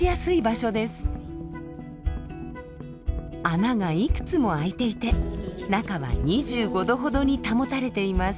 穴がいくつもあいていて中は２５度ほどに保たれています。